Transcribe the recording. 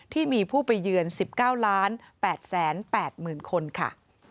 ที่มีผู้ไปเยือน๑๙๘๘๐๐๐คนค่ะ